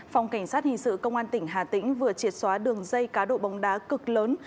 phòng cảnh sát hình sự công an tỉnh hà tĩnh vừa triệt xóa đường dây cá độ bóng đá cực lớn